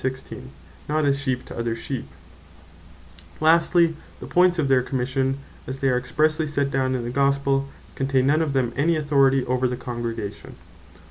Argument From The Points Of Their Commission Lastly the points of their Commission, as they are expressely set down in the Gospel, contain none of them any authority over the Congregation.